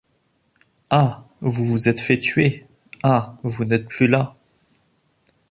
Ah! vous vous êtes fait tuer ! ah ! vous n’êtes plus là !